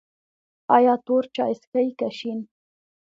ایا تور چای څښئ که شین؟